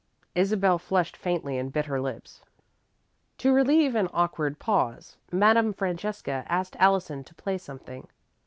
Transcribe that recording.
Isabel flushed faintly and bit her lips. To relieve an awkward pause, Madame Francesca asked Allison to play something.